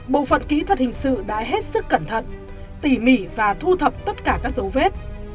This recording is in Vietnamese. bộ phận kỹ thuật hình sự đã hết sức cẩn thận tỉ mỉ và thu thập tất cả các dấu vết